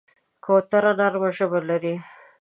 کوتره نرمه ژبه لري.